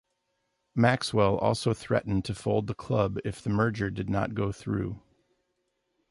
Maxwell also threatened to fold the club if the merger did not go through.